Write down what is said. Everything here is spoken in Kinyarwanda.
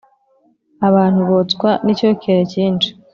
Abantu botswa n’icyokere cyinshi,